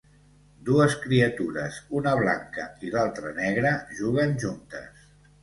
Dues criatures, una blanca i l'altra negra, juguen juntes.